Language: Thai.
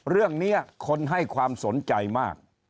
เรื่องนี้คนให้ความสนใจมาก